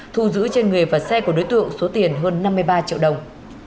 thu giữ trên người và xe của đối tượng số tiền hơn năm mươi ba triệu đồng